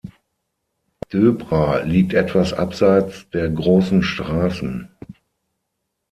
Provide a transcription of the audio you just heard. Döbra liegt etwas abseits der großen Straßen.